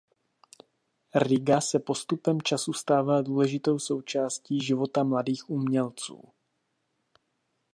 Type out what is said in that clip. Riga se postupem času stává důležitou součástí života mladých umělců.